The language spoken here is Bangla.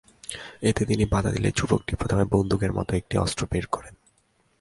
এতে তিনি বাধা দিলে যুবকটি প্রথমে বন্দুকের মতো একটি অস্ত্র বের করেন।